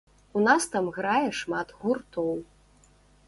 У нас там грае шмат гуртоў.